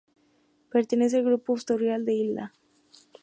Pertenece al grupo asteroidal de Hilda.